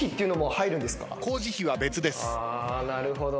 なるほど。